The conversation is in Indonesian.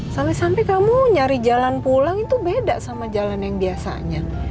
sampai sampai kamu nyari jalan pulang itu beda sama jalan yang biasanya